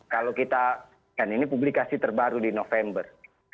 kalau kita kan ini publikasi terbaru di november